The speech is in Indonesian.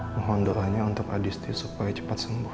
mohon doanya untuk adisti supaya cepat sembuh